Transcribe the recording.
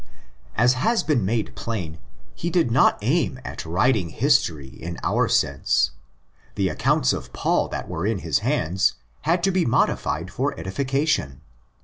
As has been made plain, he did not aim at writing history in our sense. The accounts of Paul that were in his hands had to be modified for edification.